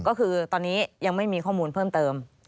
ก็คือตอนนี้ยังไม่มีข้อมูลเพิ่มเติม